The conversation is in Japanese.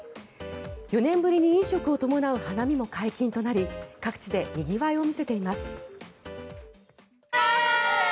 ４年ぶりに飲食を伴う花見も解禁となり各地でにぎわいを見せています。